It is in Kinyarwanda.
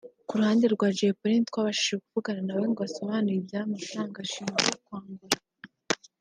Ku ruhande rwa Jay Polly ntitwabashije kuvugana na we ngo asobanure iby’aya mafaranga ashingwa kwambura